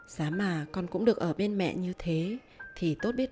giá mà con cũng được ở bên mẹ như thế thì tốt biết